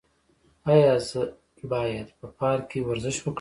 ایا زه باید په پارک کې ورزش وکړم؟